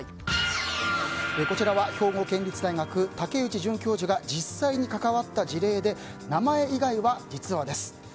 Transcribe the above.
こちらは兵庫県立大学竹内准教授が実際に関わった事例で名前以外は実話です。